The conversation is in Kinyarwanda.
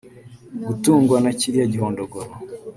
gutungwa na kiriya gihondogoro